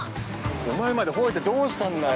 ◆お前までほえてどうしたんだよ！